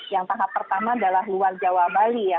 yang tahap pertama adalah luar jawa bali ya